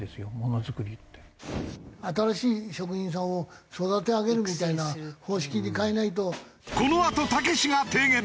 新しい職人さんを育て上げるみたいな方式に変えないと。